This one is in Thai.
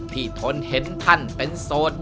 ที่ทนเห็นท่านเป็นโสดมาก